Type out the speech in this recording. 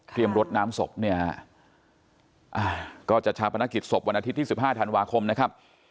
เตรียมรถน้ำศพเนี่ยก็จะทำภารกิจศพวันอาทิตย์ที่๑๕ธันวาคมนะครับ